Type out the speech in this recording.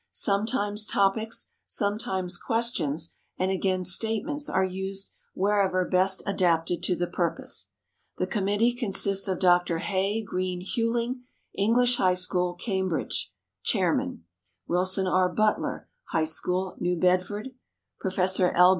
Sometimes topics, sometimes questions, and again statements are used wherever best adapted to the purpose. The committee consists of Dr. Hay Greene Huling, English High School, Cambridge, chairman; Wilson R. Butler, High School, New Bedford; Professor L.